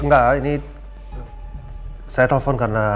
gak ini saya telpon karena